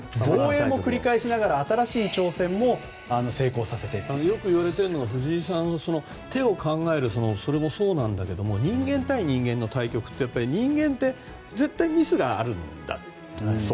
それを繰り返しながらよく言われているのは藤井さんの手を考えるのもそうだけど人間対人間の対局って、人間は絶対にミスがあるんだって。